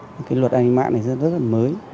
cái luật an ninh mạng này rất là mới